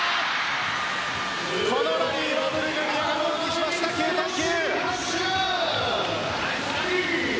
このラリーはブルガリアがものにしました９対９。